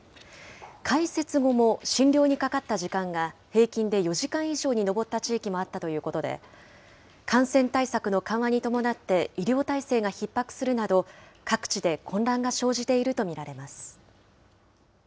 開設後も診療にかかった時間が平均で４時間以上に上った地域もあったということで、感染対策の緩和に伴って医療体制がひっ迫するなど、各地で混乱が生じていると見られます。